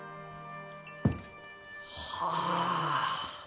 はあ。